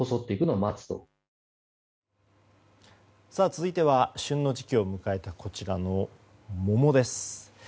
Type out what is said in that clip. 続いては旬の時期を迎えたこちらの桃です。